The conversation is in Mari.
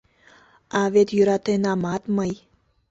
А вет йӧратенамат мый...